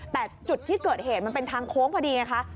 แต่จุดที่เกิดเหตุมันเป็นทางโค้งพอดีไงคะ